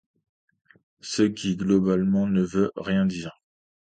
Ce qui, globalement, ne veut rien dire.